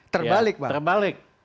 terbalik bang terbalik